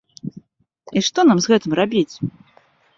І што нам з гэтым рабіць?